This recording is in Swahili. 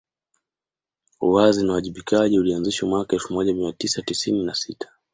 Uwazi na uwajibikaji ulianzishwa mwaka elfu moja Mia tisa tisini na sita